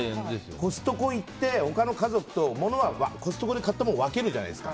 コストコ行って他の家族とコストコで買ったもの分けるじゃないですか。